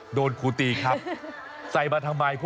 อาจารย์คุณครูตี้ครับใส่มาทำไม